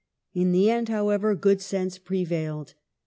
In the end, however, good sense prevailed.